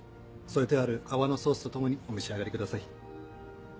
添えてある泡のソースとともにお召し上がりください。